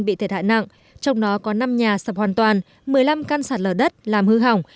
bị thiệt hại nặng trong đó có năm nhà sập hoàn toàn một mươi năm căn sạt lở đất làm hư hỏng